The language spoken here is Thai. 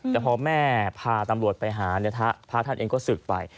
แต่พอแม่พาตำรวจไปหาเนี่ยพระท่านเองก็ศึกไป